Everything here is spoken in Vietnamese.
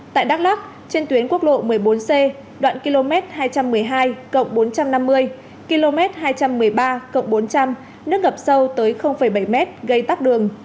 tại đắk lắc trên tuyến quốc lộ một mươi bốn c đoạn km hai trăm một mươi hai bốn trăm năm mươi km hai trăm một mươi ba bốn trăm linh nước ngập sâu tới bảy m gây tắc đường